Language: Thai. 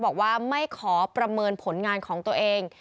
บอกว่าไม่ขอประเมินผลงานของตัวเอง